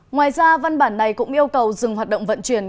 ngoài ra văn bản này cũng yêu cầu dừng hoạt động vận chuyển